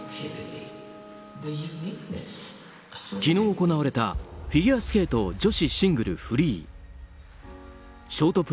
昨日行われたフィギュアスケート女子シングルフリー。